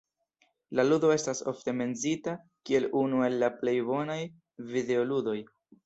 La ludo estas ofte menciita kiel unu el la plej bonaj videoludoj.